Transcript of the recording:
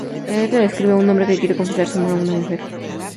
La letra describe a un hombre que quiere confesar su amor a una mujer.